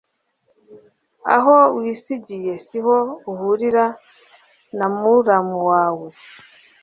aho wisigiye siho uhurira na muramu wawe